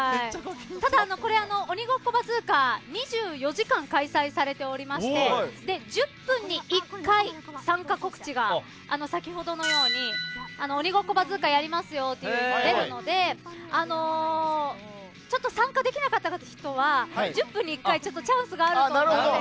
「鬼ごっこバズーカ」２４時間開催されておりまして１０分に１回参加告知が先ほどのように「鬼ごっこバズーカ」やりますよというのが出るので参加できなかった方は１０分に１回チャンスがあるので。